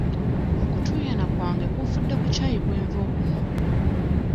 Okutuuyana kwange kuvudde ku ccaayi gwe nva okunywa.